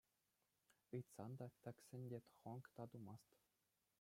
Ыйтсан та, тӗксен те хӑнк та тумасть.